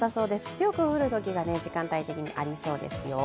強く降るときが時間帯的にありそうですよ。